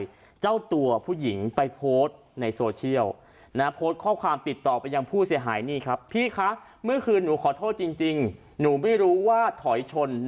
ก็เจ้าตัวผู้หญิงไปโพสต์ในโซเชียลโพสต์ข้อความติดต่อไปซื้อหาย